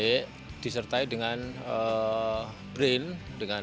yang baik disertai dengan